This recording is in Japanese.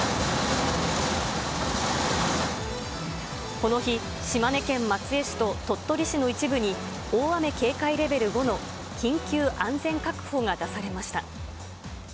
この日、島根県松江市と鳥取市の一部に、大雨警戒レベル５の緊急安全確保が出されました。